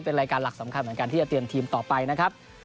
เป็นรายการหลักสำคัญเหมือนกันที่จะเตรียมทีมต่อไปนะครับ